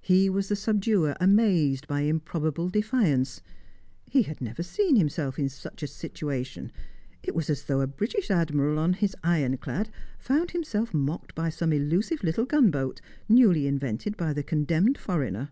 He was the subduer amazed by improbable defiance. He had never seen himself in such a situation it was as though a British admiral on his ironclad found himself mocked by some elusive little gunboat, newly invented by the condemned foreigner.